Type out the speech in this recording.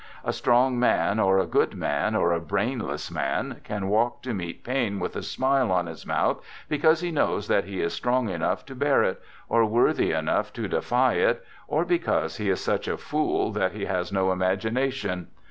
A strong man, or a good man or a brainless man, can walk to meet pain with a smile on his mouth because he knows that he is strong enough to bear it, or worthy enough to defy it, or because he is such a fool that he has no imagination.